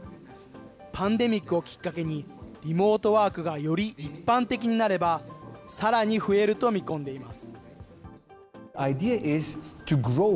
パンデミックをきっかけに、リモートワークがより一般的になれば、さらに増えると見込んでいます。